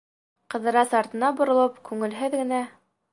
Ҡыҙырас, артына боролоп, күңелһеҙ генә: